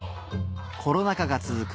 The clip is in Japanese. コロナ禍が続く